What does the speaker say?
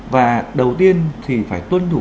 và đầu tiên thì phải tuân thủ